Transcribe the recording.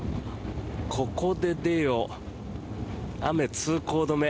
ここで出よ雨、通行止め。